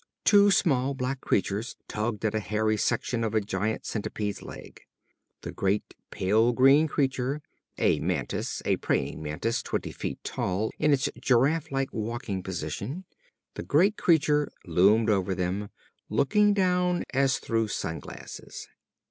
Two small black creatures tugged at a hairy section of a giant centipede's leg. The great pale green creature a mantis; a praying mantis twenty feet tall in its giraffe like walking position the great creature loomed over them, looking down as through sunglasses.